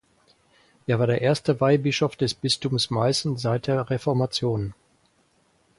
Er war der erste Weihbischof des Bistums Meißen seit der Reformation.